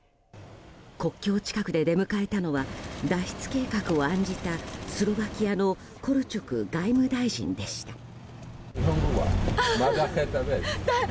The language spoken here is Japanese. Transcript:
国境近くで出迎えたのは脱出計画を案じたスロバキアのコルチョク外務大臣でした。